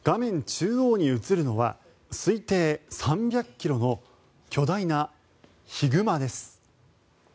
中央に写るのは推定３００ｋｇの巨大なヒグマです。